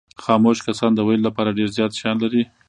خاموش کسان د ویلو لپاره ډېر زیات شیان لري.